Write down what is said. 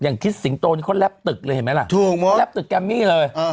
อย่างคีสสิงโตเขาแรปตึกเลยละแรปตึกแบงนี่เลย